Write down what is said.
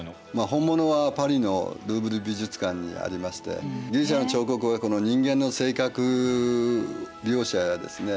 本物はパリのルーブル美術館にありましてギリシアの彫刻は人間の性格描写やですね